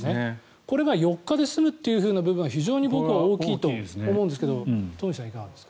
これが４日で済むという部分は僕は大きいと思うんですがトンフィさんいかがですか？